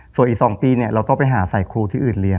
ส่วนอีกสองปีเนี่ยเราก็ไปหาสายครูที่อื่นเรียน